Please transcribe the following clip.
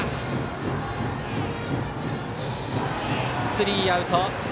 スリーアウト！